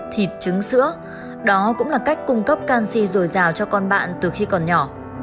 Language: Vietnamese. thịt trứng sữa đó cũng là cách cung cấp canxi dồi dào cho con bạn từ khi còn nhỏ